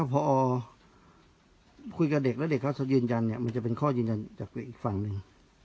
พอคุยกับเด็กแล้วเด็กเขาจะยืนยันมันจะเป็นข้อยืนยันจากอีกฝั่งหนึ่ง